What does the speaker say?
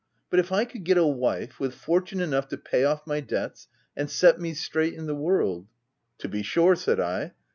But if I could get a wife, with fortune enough to pay off my debts and set me straight in the world —'" 'To be sure/ said I.